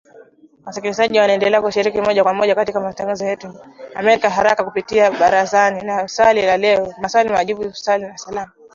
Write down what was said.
Wasikilizaji waendelea kushiriki moja kwa moja katika matangazo yetu ya Sauti ya Amerika haraka kupitia Barazani na Swali la Leo, Maswali na Majibu, na Salamu Zenu